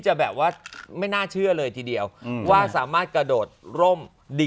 แต่ว่าแม่ฉันคงไม่โดดล้ม